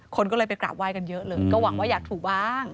คนก็เลยไปกราบไห้กันเยอะเลยก็หวังว่าอยากถูกบ้าง